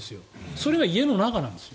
それが家の中なんですよ。